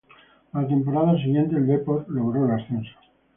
A la temporada siguiente el Depor logró el ascenso.